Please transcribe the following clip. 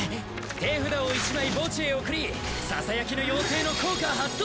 手札を１枚墓地へ送りささやきの妖精の効果発動！